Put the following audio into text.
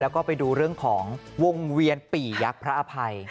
แล้วก็ไปดูเรื่องของวงเวียนปี่ยักษ์พระอภัย